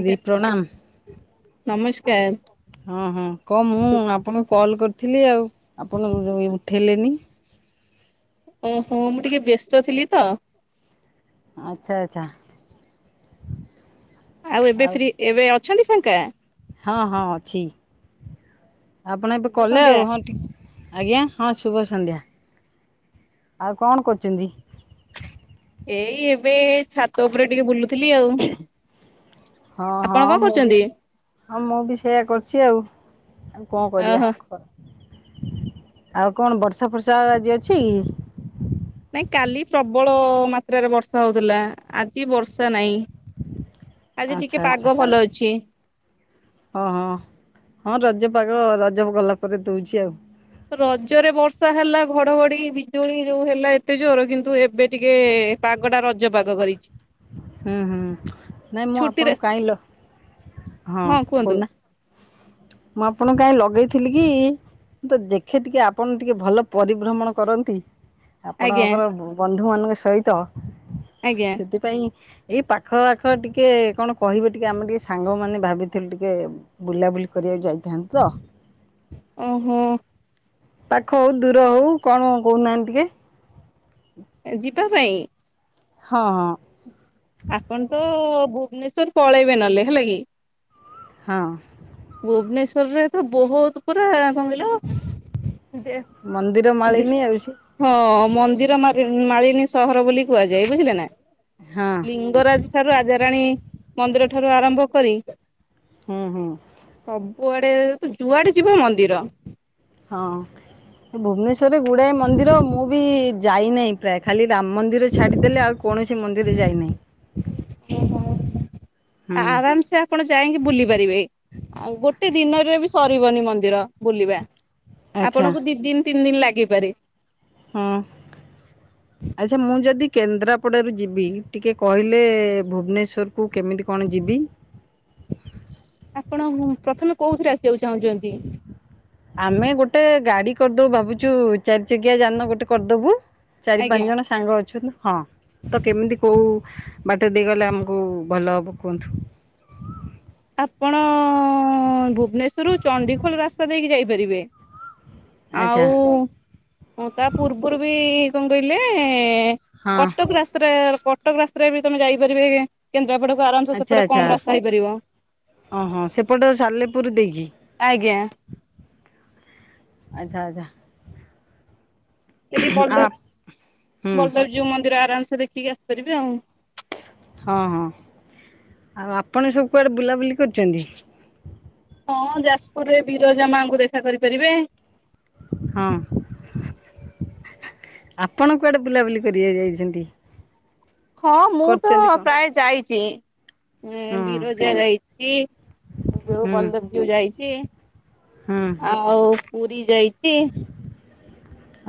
ଆଜ୍ଞା ପ୍ରଣାମ। ନମସ୍କାର। ହଁ ହଁ କ ମୁଁ ସୁ ଆପଣଙ୍କୁ କଲ କରି ଥିଲି ଆଉ ଆପଣ ଉ ଉଠାଇଲେନି। ଓ ହୋ ମୁଁ ଟିକେ ବ୍ୟସ୍ତଥିଲିତ। ଆଚ୍ଛା ଆଚ୍ଛା। ଆଉ ଏବେ ଫ୍ରି ଏବେ ଅଛନ୍ତି ଫାଙ୍କା? ହଁ ହଁ ଅଛି ଆପଣ ଏବେ ଶୁଭ କଲେ ସନ୍ଧ୍ୟା ଆଉ ହଁ ଟିକ ଆଜ୍ଞା ହଁ ଶୁଭ ସନ୍ଧ୍ୟା। ଆଉ କଣ କରୁଚନ୍ତି? ଏଇ ଏବେ ଛାତ ଉପରେ ଟିକେ ବୁଲୁଥିଲି ଆଉ। ହଁ ଆପଣ ହଁ କଣ ମୁଁ ବି କରୁଛନ୍ତି? ହଁ ମୁଁ ବି ସେୟା କରୁଛି ଆଉ। ଆଉ କଣ କରିବା। ଓହୋ ଆଉ କଣ ବର୍ଷା ଫର୍ଷା ଆଜି ଅଛି? ନାଇଁ କାଲି ପ୍ରବଳ ମାତ୍ରାରେ ବର୍ଷା ହୋଉଥିଲା ଆଜି ବର୍ଷା ନାହିଁ। ଆଜି ଆଚ୍ଛା ଟିକେ ଆଚ୍ଛା ପାଗ ଭଲ ଅଛି। ହଁ ହଁ ହଁ ରଜପାଗ ରଜ ଗଲାପରେ ଦୋଉଛି ଆଉ। ରଜରେ ବର୍ଷାହେଲା ଘଡଘଡି ବିଜୁଳି ଯୋଉ ହେଲା ଏତେ ଜୋର କିନ୍ତୁ ଏବେ ଟିକେ ପାଗଟା ରଜ ପାଗ କରିଛି। ହୁଁ ହୁଁ ନାଇଁ ମୁଁ ଛୁଟିରେ ଆପଣଙ୍କୁ କାହିଁ ଲ ହଁ କହୁନା। [inaudible] ମୁଁ ଆପଣଙ୍କୁ କାହିଁ ଲଗେଇଥିଲିକି? ତ ଦେଖେ ଟିକେ ଆପଣ ଟିକେ ଭଲ ପରିଭ୍ରମଣ କରନ୍ତି। ଆଜ୍ଞା ଆପଣଙ୍କର ବନ୍ଧୁମାନଙ୍କ ସହିତ ଆଜ୍ଞା। ସେଥିପାଇଁ ଏଇ ପାଖ ଆଖ ଟିକେ କଣ କହିବେ ଟିକେ ଆମେ ଟିକେ ସାଙ୍ଗମାନେ ଭାବିଥିଲୁ ଟିକେ ବୁଲାବୁଲି କରିବାକୁ ଯାଇଥାନ୍ତି ତ। ଓହୋ। ପାଖ ହୋଉ ଦୂର ହୋଉ କଣ କହୁନାହାନ୍ତି ଟିକେ? ଯିବାପାଇଁ? ହଁ ହଁ। ଆପଣତ ଭୁବନେଶ୍ୱର ପଳେଇବେ ନହଲେ ହେଲାକି? ହଁ। ଭୁବନେଶ୍ୱରରେତ ବହୁତ ପୁରା କଣ କହିଲ ଦେ ମନ୍ଦିର ଦିକ୍ ମାଳିନୀ ଆଉ ସେ ହଁ ମନ୍ଦିର ମାଗି ମାଳିନୀ ସହର ବୋଲି କୁହାଯାଏ। ବୁଝିଲେ ନା। ହଁ ଲିଙ୍ଗରାଜ ଠାରୁ ରାଜାରାଣୀ ମନ୍ଦିରଠାରୁ ଆରମ୍ଭ କରି ହୁଁ ହୁଁ। ସବୁଆଡେ ତୁ ଯୁଆଡେ ଯିବୁ ମନ୍ଦିର। ହଁ। ଭୁବନେଶ୍ୱରରେ ଗୁଡାଏ ମନ୍ଦିର ମୁଁ ବି ଯାଇନାହିଁ ପ୍ରାୟ। ଖାଲି ରାମ ମନ୍ଦିର ଛାଡିଦେଲେ ଆଉ କୌଣସି ମନ୍ଦିର ଯାଇନାହିଁ। ହୁଁ [unintelligible] ଆରାମ ସା ଆପଣ ଯାଇଁକି ବୁଲିପାରିବେ। ଆଉ ଗୋଟେ ଦିନରେ ବି ସରିବନି ମନ୍ଦିର ବୁଲିବା। ଆଚ୍ଛା ଆପଣଙ୍କୁ ଦି ଦିନି ତିନି ଦିନି ଲାଗିପାରେ। ହଁ। ଆଚ୍ଛା ମୁଁ ଯଦି କେନ୍ଦ୍ରାପଡ଼ାରୁ ଯିବି ଟିକେ କହିଲେ ଭୁବନେଶ୍ୱର ମୁଁ କେମିତି କଣ ଯିବି? ଆପଣ ପ୍ରଥମେ କୋଉଥିରେ ଆସିବାକୁ ଚାହୁଁଛନ୍ତି? ଆମେ ଗୋଟେ ଗାଡି କରିଦବୁ ଭାବୁଚୁ ଚାରି ଚକିଆ ଯାନ ଗୋଟେ କରିଦବୁ। ଚାରି ଆଜ୍ଞା ପାଞ୍ଚ ଜଣ ସାଙ୍ଗ ଅଛନ୍ତି। ହଁ, ତ କେମିତି କୋଉ ବାଟ ଦେଇ ଗଲେ ଆମକୁ ଭଲ ହବ କୁହନ୍ତୁ। ଆପଣ ଭୁବନେଶ୍ୱରରୁ ଚଣ୍ଡିଖୋଲ ରାସ୍ତା ଦେଇକି ଯାଇପାରିବେ। ଆଚ୍ଛା ଆଉ ତା ପୂର୍ବରୁ ବି କଣ କହିଲେ ହଁ କଟକ ରାସ୍ତାରେ କଟକ ରାସ୍ତାରେ ବି ତମେ ଯାଇପାରିବେ। କେନ୍ଦ୍ରାପଡା କୁ ଆରାମ ସେ ସେପଟେ କମ୍ ରାସ୍ତା ହେଇପାରିବ। ଅ ହଁ, ସେପଟ ସାଲେପୁର ଦେଇକି। ଆଜ୍ଞା। ଆଚ୍ଛା ଆଚ୍ଛା। ସେଠି ଆଉ ବଲଦେବ, ହୁଁ ବଲଦେବ ଜୀଉ ମନ୍ଦିର ଆରାମ ସେ ଦେଖିକି ଆସିପାରିବେ ଆଉ। ହଁ। ଆଉ ଆପଣ ସବୁ କୁଆଡ଼େ ବୁଲାବୁଲି କରିଚନ୍ତି? ହଁ ଯାଜପୁରରେ ବିରଜା ମାଙ୍କୁ ଦେଖା କରିପାରିବେ। ହଁ। ଆପଣ କୁଆଡେ ବୁଲାବୁଲି କରିବାକୁ ଯାଇଚନ୍ତି? ହଁ ମୁଁ ତ କଣ ପ୍ରାୟ ଯାଇଚି। ହଁ ବିରଜା ଯାଇଚି। ଯୋଉ ହୁଁ ବଲଦେବ ଜୀଉ ଯାଇଚି। ହୁଁ ଆଉ ପୁରୀ ଯାଇଚି।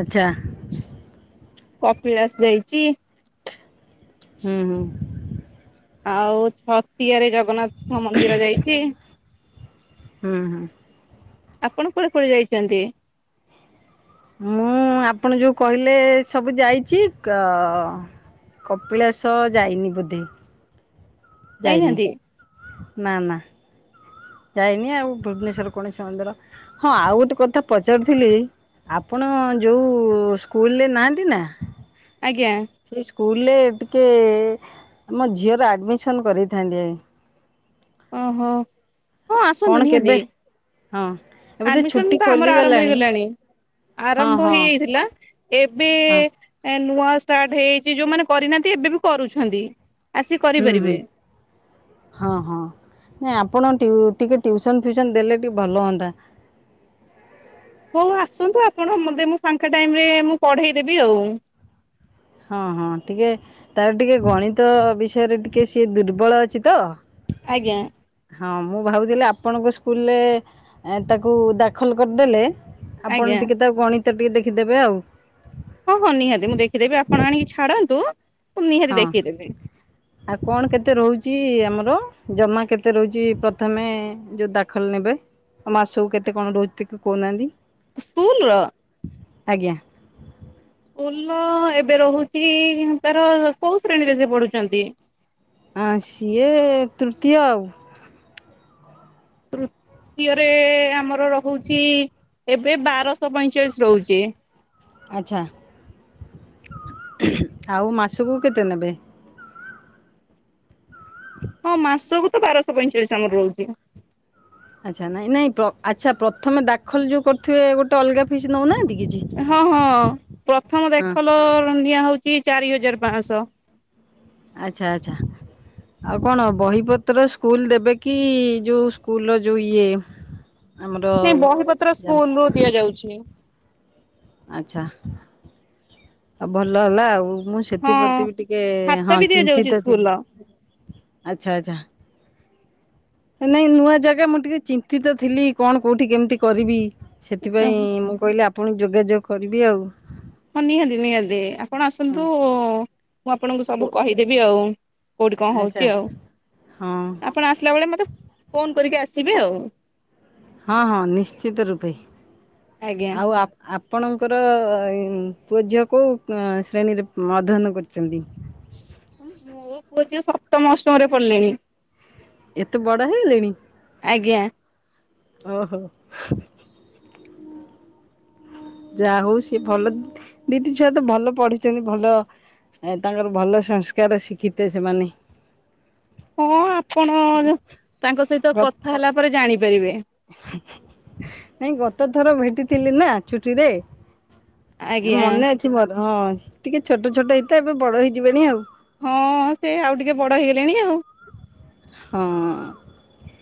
ଆଚ୍ଛା। କପିଳାସ ଯାଇଚି। ହୁଁ ହୁଁ। ଆଉ ଛତିଆ ରେ ଜଗନ୍ନାଥଙ୍କ ମନ୍ଦିର ଯାଇଚି। ହୁଁ ହୁଁ। ଆପଣ କୁଆଡେ କୁଆଡେ ଯାଇଚନ୍ତି? ମୁଁ ଆପଣ ଯୋଉ କହିଲେ ସବୁ ଯାଇଚି। କ କପିଳାସ ଯାଇନି ବୋଧେ। ଯାଇନି ଯାଇନାହାନ୍ତି? ନା ନା। ଯାଇନି ଆଉ ଭୁବନେଶ୍ଵର କୌଣସି ମନ୍ଦିର। ହଁ ଆଉ ଗୋଟେ କଥା ପଚାରୁଥିଲି ଆପଣ ଯୋଉ ସ୍କୁଲରେ ନାହାଁନ୍ତି ନା ଆଜ୍ଞା। ସେଇ ସ୍କୁଲରେ ଟିକେ ଆମ ଝିଅର ଆଡ଼ମିସନ୍ କରେଇଥାନ୍ତି ଯାଇଁ। ଅ ହୋ। ହଁ ଆସନ୍ତୁ କଣ ନିହାତି। କେବେ ହଁ ଏବେ ତ ଆଡମିସନ୍ ଛୁଟି ତ ଆମର ଆରମ୍ଭ ଖୋଲିଗଲାଣି ହେଇଗଲାଣି। ହଁ ଆରମ୍ଭ ହଁ ହେଇଯାଇଥିଲା। ଏବେ ହଁ ନୂଆ ଏ ଷ୍ଟାର୍ଟ ହେଇଯାଇଚି। ଯୋଉମାନେ କରିନାହାନ୍ତି ଏବେ ବି କରୁଛନ୍ତି। ଆସି ହୁଁ ହୁଁ। କରିପାରିବେ ହଁ ହଁ। ନାଇଁ ଆପଣ ଟିକେ ଟିଉ ଟିଉସନ୍ ଫିଉସନ୍ ଦେଲେ ଟିକେ ଭଲ ହୁଅନ୍ତା। ହଉ ଆସନ୍ତୁ ଆପଣ ମୋତେ ମୁଁ ଫାଙ୍କା ଟାଇମ୍ ରେ ମୁଁ ପଢେଇ ଦେବି ଆଉ। ହଁ ହଁ ଟିକେ ତାର ଟିକେ ଗଣିତ ବିଷୟରେ ଟିକେ ସିଏ ଦୁର୍ବଳ ଅଛି ତ। ଆଜ୍ଞା। ହଁ ମୁଁ ଭାବୁଥିଲି ଆପଣଙ୍କ ସ୍କୁଲରେ ତାକୁ ଦାଖଲ କରିଦେଲେ ଆପଣ ଆଜ୍ଞା ଟିକେ ତାକୁ ଗଣିତ ଟିକେ ଦେଖିଦେବେ ଆଉ। ହଁ ହଁ ନିହାତି ମୁଁ ଦେଖିଦେବି ଆପଣ ଆଣିକି ଛାଡ଼ନ୍ତୁ ମୁଁ ନିହାତି ହଁ ଦେଖିଦେବି। ଆଉ କଣ କେତେ ରହୁଚି ଆମର ଜମା କେତେ ରହୁଚି ପ୍ରଥମେ ଯୋଉ ଦାଖଲ ନେବେ। ମାସକୁ କେତେ କଣ ରହୁଚି ଟିକେ କହୁନାହାନ୍ତି। ସ୍କୁଲ ର। ଆଜ୍ଞା। ସ୍କୁଲ ଏବେ ରହୁଚି ତାର କୋଉ ଶ୍ରେଣୀରେ ସେ ପଢୁଛନ୍ତି। ଆ ସିଏ ତୃତୀୟ ଆଉ। ତୃତୀୟରେ ଆମର ରହୁଚି ଏବେ ବାରଶହ ପଇଁଚାଳିଶ ରହୁଚି। ଆଚ୍ଛା ଆଉ ମାସକୁ କେତେ ନେବେ? ହଁ ମାସକୁ ତ ବାରଶହ ପଇଁଚାଳିଶ ଆମର ରହୁଚି। ଆଚ୍ଛା ନାଇଁ ନାଇଁ ପ୍ର ଆଚ୍ଛା ପ୍ରଥମେ ଦାଖଲ ଯୋଉ କରୁଥିବେ ଗୋଟେ ଅଲଗା ଫିସ୍ ନଉନାହାନ୍ତି କିଛି? ହଁ ହଁ ପ୍ରଥମ ହଁ ଦାଖଲ ନିଆ ହଉଚି ଚାରି ହଜାର ପାଶହ। ଆଚ୍ଛା ଆଚ୍ଛା। ଆଉ କଣ ବହିପତ୍ର ସ୍କୁଲ ଦେବେ କି ଯୋଉ ସ୍କୁଲର ଯୋଉ ଇଏ ସେ ବହି ପତ୍ର ଆମର ସ୍କୁଲ ରୁ ଦିଆଯାଉଛି। ଆଛା ଆଉ ଭଲ ହେଲା ଆଉ ମୁଁ ହଁ ସେଥିପ୍ରତି ବି ଟିକେ ଖାତା ହଁ ବି ଦିଆଯାଉଛି ଚିନ୍ତିତ ସ୍କୁଲର। ଥିଲି। ଆଚ୍ଛା ଆଚ୍ଛା। ନାଇଁ ନୂଆ ଜାଗା ମୁଁ ଟିକେ ଚିନ୍ତିତ ଥିଲି କଣ କୋଉଠି କେମିତି କରିବି ସେଥିପାଇଁ ମୁଁ କହିଲେ ଆପଣଙ୍କୁ ଯୋଗାଯୋଗ କରିବି ଆଉ। ହଁ ନିହାନ୍ତି ନିହାନ୍ତି। ଆପଣ ଆସନ୍ତୁ ହଁ ମୁଁ ଆପଣଙ୍କୁ ସବୁ କହିଦେବି ଆଉ କୋଉଠି କଣ ଆଚ୍ଛା ହୋଉଚି ଆଉ। ହଁ। ଆପଣ ଆସିଲା ବେଳେ ମତେ ଫୋନ କରିକି ଆସିବେ ଆଉ। ହଁ ହଁ ନିଶ୍ଚିତ ରୂପେ ଆଜ୍ଞା। ଆଉ ଆପ ଆପଣଙ୍କର ପୁଅ ଝିଅ କୋଉ ଶ୍ରେଣୀରେ ଅଧ୍ୟୟନ କରୁଛନ୍ତି? ମୋ ପୁଅ ଝିଅ ସପ୍ତମ ଅଷ୍ଟମ ରେ ପଢିଲେଣି। ଏତେ ବଡ଼ ହେଇଗଲେଣି। ଆଜ୍ଞା। ଓହୋ। ଯାହା ହଉ ସିଏ ଭଲ ଦିଦି ଛୁଆ ତ ଭଲ ପଢୁଥିବେ ଭଲ ଏ ତାଙ୍କର ଭଲ ସଂସ୍କାର ଶିଖିିତେ ସେମାନେ। ହଁ ଆପଣ ତାଙ୍କ ସହିତ କଥା ହେଲା ପରେ ଜାଣିପାରିବେ। ନାଇଁ ଗତ ଥର ଭେଟିଥିଲି ନା ଛୁଟିରେ। ଆଜ୍ଞା ମନେ ଅଛି ମୋର ହଁ ଟିକେ ଛୋଟ ଛୋଟ ହେଇତ ଏବେ ବଡ ହେଇଯିବେନି ଆଉ। ହଁ ସେ ଆଉ ଟିକେ ବଡ ହେଇଗଲେଣି ଆଉ। ହଁ।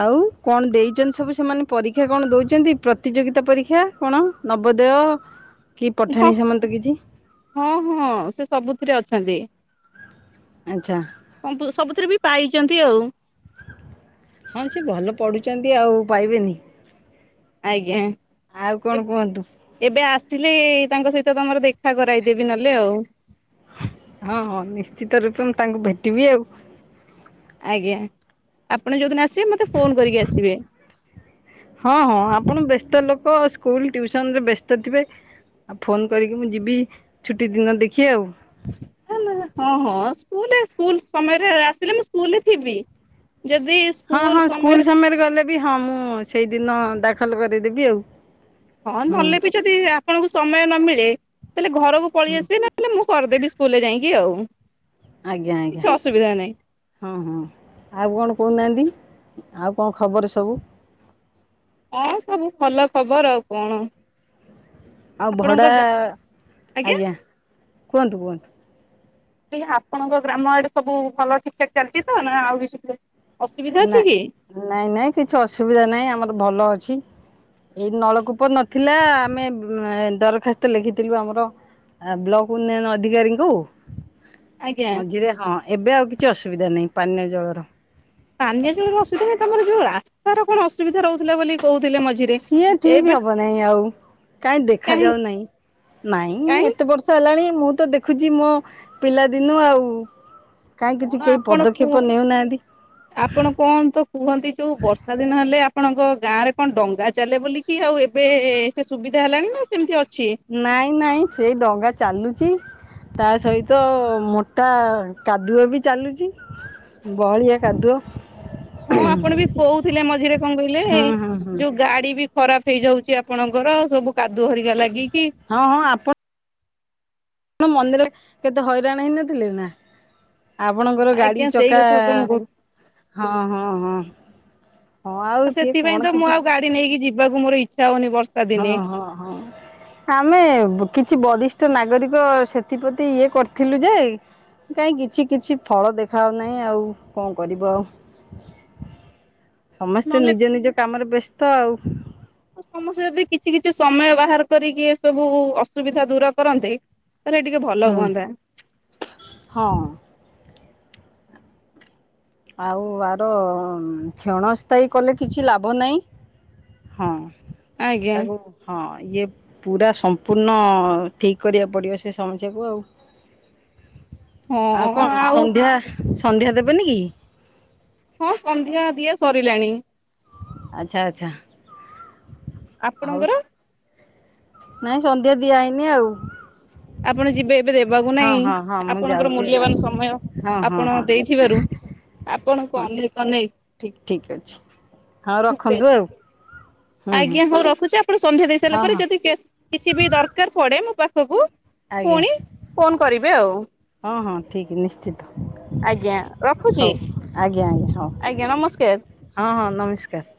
ଆଉ କଣ ଦେଇଛନ୍ତି ସବୁ ସେମାନେ ପରୀକ୍ଷା କଣ ଦେଉଛନ୍ତି? ପ୍ରତିଯୋଗିତା ପରୀକ୍ଷା କଣ ନବୋଦୟ। କି ହଁ ପଠାଣି ସାମନ୍ତ କିଛି। ହଁ ହଁ ସେ ସବୁଥିରେ ଅଛନ୍ତି। ଆଚ୍ଛା। ସବୁଥିରେ ବି ପାଇଚନ୍ତି ଆଉ। ହଁ ସେ ଭଲ ପଢ଼ୁଚନ୍ତି ଆଉ ପାଇବେନି। ଆଜ୍ଞା। ଆଉ ଏ କଣ କୁହନ୍ତୁ? ଏବେ ଆସିଲେ ତାଙ୍କ ସହିତ ତମର ଦେଖା କରାଇଦେବି ନହେଲେ ଆଉ। ହଁ ହଁ ନିଶ୍ଚିତ ରୂପେ ମୁଁ ତାଙ୍କୁ ଭେଟିବି ଆଉ। ଆଜ୍ଞା ଆପଣ ଯୋଉ ଦିନ ଆସିବେ ମୋତେ ଫୋନ୍ କରିକି ଆସିବେ। ହଁ ହଁ ଆପଣ ବ୍ୟସ୍ତ ଲୋକ ସ୍କୁଲ ଟ୍ୟଉସନରେ ବ୍ୟସ୍ତ ଥିବେ। ଆ ଫୋନ କରିକି ମୁଁ ଯିବି ଛୁଟି ଦିନ ଦେଖି ଆଉ। ହଁ ହଁ ସ୍କୁଲେ ସ୍କୁଲ୍ ସମୟରେ ଆସିଲେ ମୁଁ ସ୍କୁଲରେ ଥିବି। ଯଦି ସ୍କ ହଁ ହଁ ସ୍କୁଲ ସମୟରେ ଗଲେ ବି ହଁ ମୁଁ ସେଇଦିନ ଦାଖଲ କରେଇଦେବି ଆଉ। ହଁ ନଲେ ବି ଯଦି ଆପଣଙ୍କୁ ସମୟ ନ ମିଳେ ତାହେଲେ ଘରକୁ ପଳେଇ ଆସିବେ ନା ହେଲେ ମୁଁ କରିଦେଲି ସ୍କୁଲରେ ଯାଇଁକି ଆଉ। ଆଜ୍ଞା ଆଜ୍ଞା। କିଛି ଅସୁବିଧା ନାହିଁ ହଁ ହଁ ଆଉ କଣ କହୁନାହାନ୍ତି ଆଉ କଣ ଖବର ସବୁ। ହଁ ସବୁ ଭଲ ଖବର ଆଉ କଣ। ଆଉ ଆପଣଙ୍କ ଭଡ଼ା ଗାଁ ଆଜ୍ଞା କୁହନ୍ତୁ କୁହନ୍ତୁ। ଏ ଆପଣଙ୍କ ଗ୍ରାମ ଆଡେ ସବୁ ଭଲ ଠିକ ଠାକ ଚାଲିଛି ତ ନା ଆଉ କିଛି ଶୁ ଅସୁବିଧା ନା ଅଛି କି? ନାଇଁ ନାଇଁ କିଛି ଅସୁବିଧା ନାହିଁ ଆମର ଭଲ ଅଛି। ଏଇ ନଳକୂପ ନଥିଲା ଆମେ ଦରଖାସ୍ତ ଲେଖିଥିଲୁ ଆମର ଆ ବ୍ଲକ ଉନ୍ନୟନ ଅଧିକାରୀଙ୍କୁ। ଆଜ୍ଞା। ମଝିରେ ହଁ ଏବେ ଆଉ କିଛି ଅସୁବିଧା ନାହିଁ ପାନୀୟ ଜଳର। ପାନୀୟ ଜଳର ଅସୁବିଧା ନାହିଁ ତମର ଯୋଉ ରାସ୍ତାର କଣ ଅସୁବିଧା ରହୁଥିଲା ବୋଲି କହୁଥିଲେ ମ ସିଏ ଠିକ ହବ ନାଇଁ ଆଉ କାଇଁ ଦେଖା କାହିଁ ଯାଉ ନାଇଁ ନାଇଁ କାହିଁ ଏତେ ବର୍ଷ ହେଲାଣି ମୁଁ ତ ଦେଖୁଚି ମୋ ପିଲାଦିନୁ ଆଉ। କାଉଁ କିଛି କଣ କେହି ଆପଣ କୁ ପଦକ୍ଷେପ ନେଉନାହାନ୍ତି। ଆପଣ କଣ ତ କୁହନ୍ତି ଯୋଉ ବର୍ଷା ଦିନ ହେଲେ ଆପଣଙ୍କ ଗାଁ ରେ କଣ ଡଙ୍ଗା ଚାଲେ ବୋଲି। କି ଆଉ ଏବେ ସେ ସୁବିଧା ହେଲାଣି ନା ସେମିତି ଅଛି। ନାଇଁ ନାଇଁ ସେଇ ଡଙ୍ଗା ଚାଲୁଚି। ତା ସହିତ ମୋଟା କାଦୁଅ ବି ଚାଲୁଚି। ବହଳିଆ କାଦୁଅ। ହଁ ଆପଣ ବି କହୁଥିଲେ ମଝିରେ କଣ କହିଲେ ହୁଁ ହୁଁ ହୁଁ ଯୋଉ ଗାଡି ବି ଖରାପ ହେଇଯାଉଚି ଆପଣଙ୍କର ସବୁ କାଦୁଅ ହରିକା ଲାଗିକି। ହଁ ହଁ ଆପ ଣ ମନ୍ଦିରେ କେତେ ହଇରାଣ ହେଇନଥିଲେ ନା। ଆପଣଙ୍କର ଗାଡି ଆଜ୍ଞା ସେଇ ଚକା କଥା ତ ମୁଁ କହୁଛି। ହଁ ହଁ ହଁ। ହଁ ଆଉ ସିଏ କଣ କିଛି ଟି ନେଇକି ଯିବାକୁ ମୋ ଇଚ୍ଛା ହଉନି ବର୍ ହଁ ହଁ ହଁ। ଆମେ କିଛି ବରିଷ୍ଠ ନାଗରିକ ସେଥିପ୍ରତି ଇଏ କରିଥିଲୁ ଯେ କାଇଁ କିଛି କିଛି ଫଳ ଦେଖାଉ ନାହିଁ ଆଉ କଣ କରିବ ଆଉ। [unintelligible] [inaudible] ସମସ୍ତେ ନହେଲେ ନିଜ ନିଜ କାମରେ ବେସ୍ତ ଆଉ। ତ ସମସ୍ତେ ଯଦି କିଛି କିଛି ସମୟ ବାହାର କରିକି ଏ ସବୁ ଅସୁବିଧା ଦୂର କରନ୍ତେ। ତାହେଲେ ଟିକେ ଭଲ ହୁଁ ହୁଅନ୍ତା। ହଁ। ଆଉ ଆର କ୍ଷଣ ସ୍ଥାୟୀ କଲେ କିଛି ଲାଭ ନାହିଁ। ହଁ ଆଜ୍ଞା ତାକୁ ହଁ ଇଏ ପୁରା ସମ୍ପୂର୍ଣ୍ଣ ଠିକ୍ କରିବାକୁ ପଡ଼ିବ ସେ ସମସ୍ୟାକୁ ଆଉ। [inaudible] ହଁ ଆଉ କଣ ସନ୍ଧ୍ୟା ସନ୍ଧ୍ୟା ଦେବେନି କି? ହଁ ସନ୍ଧ୍ୟା ଦିଆ ସରିଲାଣି। ଆଚ୍ଛା ଆଚ୍ଛା। ଆଉ ଆପଣଙ୍କର ନାଇଁ ସନ୍ଧ୍ୟା ଦିଆ ହେଇନି ଆଉ। ଆପଣ ଯିବେ ଏବେ ଦେବାକୁ ହଁ ନାଇଁ, ହଁ ହଁ ମୁଁ ଆପଣଙ୍କର ଯାଉଛି ଆଉ ମୂଲ୍ୟବାନ ସମୟ ହଁ ହଁ ଆପଣ ହଁ। ଦେଇଥିବାରୁ ଆପଣଙ୍କୁ ହଁ ଅନେକ ଅନେକ ଠିକ୍ ଠିକ୍ ଅଛି ହଁ ରଖନ୍ତୁ ଶୁଭେଚ୍ଛା। ଆଉ ହୁଁ ହୁଁ ଆଜ୍ଞା ହଉ ରଖୁଛି, ଆପଣ ସନ୍ଧ୍ୟା ଦେଇ ସାରିଲା ହଁ ପରେ ହଁ। ଯଦି କେ କିଛି ବି ଦରକାର ପଡେ ମୋ ପାଖକୁ, ଆଜ୍ଞା ପୁଣି ଫୋନ କରିବେ ଆଉ। ହଁ ହଁ ଠିକ୍ ନିଶ୍ଚିତ। ଆଜ୍ଞା। ରଖୁଛି? ହଉ ଆଜ୍ଞା ଆଜ୍ଞା, ହଉ। ଆଜ୍ଞା, ନମସ୍କାର। ହଁ ହଁ, ନମସ୍କାର।